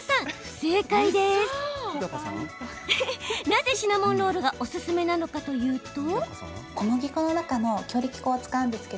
なぜシナモンロールがおすすめなのかというと。